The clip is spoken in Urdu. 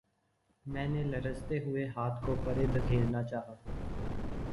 میں نے لرزتے ہوئے ہاتھ کو پرے دھکیلنا چاہا